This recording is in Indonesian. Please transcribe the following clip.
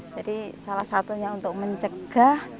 salah satunya untuk mencegah